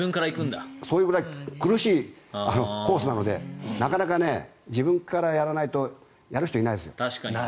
それくらい苦しいコースなのでなかなか自分からやらないとやる人がいないですよ。